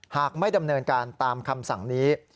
หากไม่ดำเนินการตามคำสั่งนี้